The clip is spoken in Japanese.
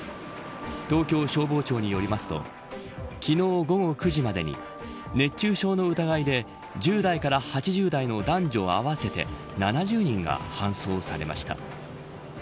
東京消防庁によりますと昨日午後９時までに熱中症の疑いで１０代から８０代の男女合わせて７０人が搬送されました。